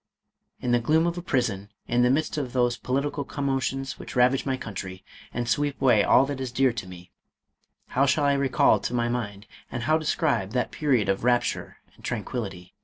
In the gloom of a prison, in the midst of those political com motions which ravage my country, and sweep away all that is dear to me, how shall I recall to my mind, and how describe, that period of rapture and tranquillity?